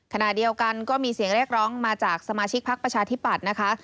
ขณะเดียวกันก็มีเสียงเรียกร้องมาจากสมาชิกพักประชาธิปัตย์นะคะ